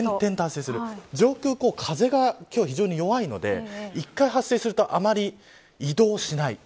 上空、風が今日非常に弱いので１回発生すると、あまり移動しない。